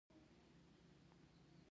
د خلکو د ورتګ لامل شوې وي.